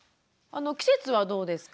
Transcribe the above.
季節はどうですか？